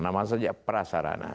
namanya saja perasarana